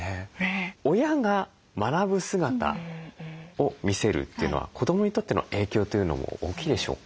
親が学ぶ姿を見せるというのは子どもにとっての影響というのも大きいでしょうか？